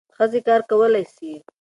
ښځې کار کولای سي.